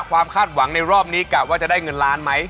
คาดหวังในรอบนี้กะว่าจะได้เงินล้านไหม